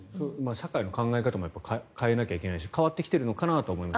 社会の考え方も変えなきゃいけないし変わってきているのかなとは思います。